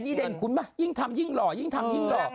นี่เด่นคุณป่ะยิ่งทำยิ่งหล่อยิ่งทำยิ่งหล่อ